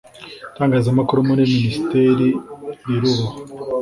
itangazamakuru muri ministeri rirubahwa.